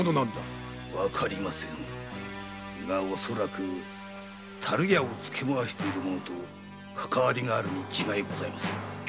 わかりませぬが恐らく樽屋をつけまわしている者とかかわりがあるに違いございませぬ。